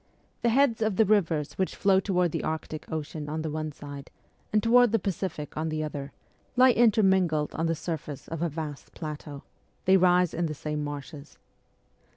The heads of the rivers which flow toward the Arctic Ocean on the one side, and toward the Pacific on the other, lie intermingled on the surface of a vast plateau ; they rise in the same marshes.